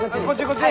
こっち？